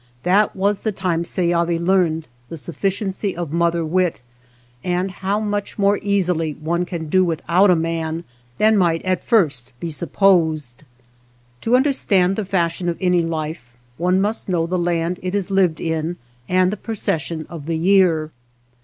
That was the time Seyavi learned the sufficiency of mother wit, and how much more easily one can do without a man than might at first be supposed. To understand the fashion of any life, one must know the land it is lived in and the procession of the year.